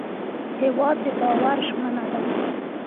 هېواد د باور ژمنه ده.